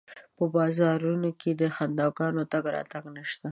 په بازارونو کې د خنداګانو تګ راتګ نشته